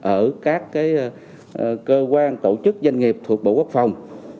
ở các cơ quan tổ chức doanh nghiệp thuộc bộ quốc phòng